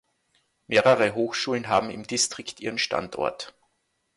Mehrere Hochschulen haben im Distrikt ihren Standort.